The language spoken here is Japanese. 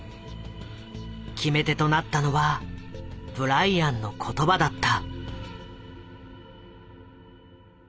決め手となったのはブライアンの言葉だった。